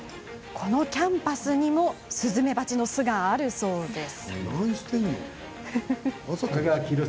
このキャンパスにもスズメバチの巣があるそうです。